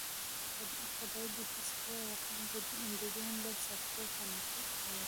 خدا دې هېڅ کور او قوم بدون له سرپوښه نه کوي.